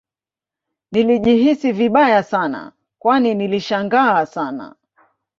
Nilijihisi vibaya Sana Kwani nilishangaa Sana